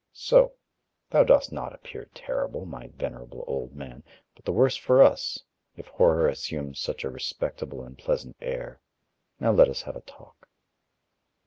"So. Thou dost not appear terrible, my venerable old man. But the worse for us, if horror assumes such a respectable and pleasant air. Now let us have a talk."